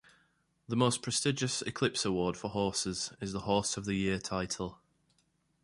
The most prestigious Eclipse Award for horses is the Horse of the Year title.